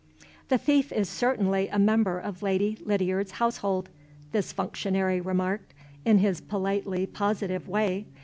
"The thief is certainly a member of Lady Lydiard's household," this functionary remarked, in his politely positive way.